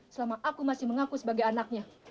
selama aku masih mengaku sebagai anaknya